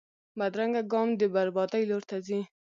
بدرنګه ګام د بربادۍ لور ته ځي